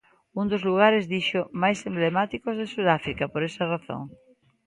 Un dos lugares, dixo, "máis emblemáticos de Sudáfrica" por esa razón.